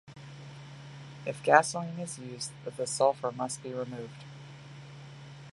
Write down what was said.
If gasoline is used, the sulfur must be removed.